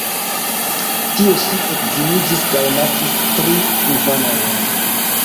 Tie ŝi edziniĝis kaj naskis tri infanojn.